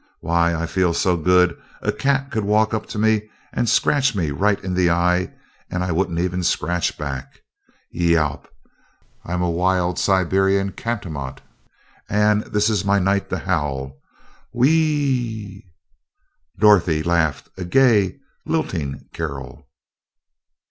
Why, I feel so good a cat could walk up to me and scratch me right in the eye, and I wouldn't even scratch back. Yowp! I'm a wild Siberian catamount, and this is my night to howl. Whee ee yerow!" Dorothy laughed, a gay, lilting carol.